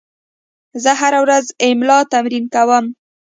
زه هره ورځ املا تمرین کوم.